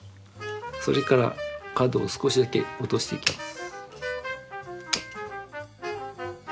それから角を少しだけ落としていきます。